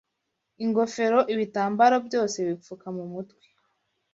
Ingofero ibitambaro byose bipfuka mu mutwe